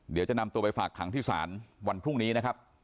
เดี๋ยวจะนำตัวไปฝากขังที่ศาลวันพรุ่งนี้นะครับ